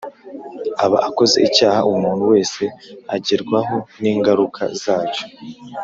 Aba akoze icyaha umuntu wese agerwa ho ningaruka zacyo